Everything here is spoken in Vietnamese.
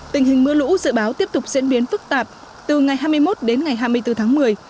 tình hình mưa lũ dự báo tiếp tục diễn biến phức tạp từ ngày hai mươi một đến ngày hai mươi bốn tháng một mươi